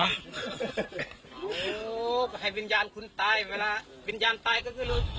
โหไอ้วิญญาณคุณตายไปแล้ววิญญาณตายก็คือรู้